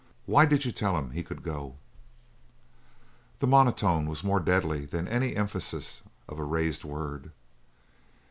Why did you tell him he could go?" The monotone was more deadly than any emphasis of a raised word.